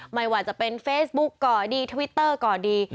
ไม่ว่าจะเป็นเฟซบุ๊กก่อดีทวิตเตอร์ก่อดี